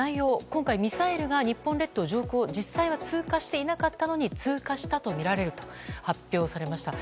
今回ミサイルが日本列島上空を実際は通過していなかったのに通過したとみられると発表されました。